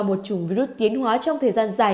một trùng virus tiến hóa trong thời gian dài